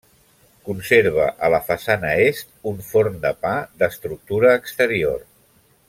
Conserva, a la façana est, un forn de pa d'estructura exterior.